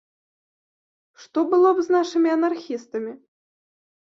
Што было б з нашымі анархістамі?